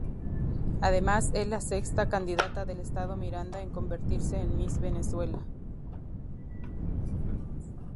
Además, es la sexta candidata del estado Miranda en convertirse en Miss Venezuela.